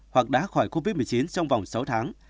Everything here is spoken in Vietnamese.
hoặc đã khỏi covid một mươi chín trong vòng sáu tháng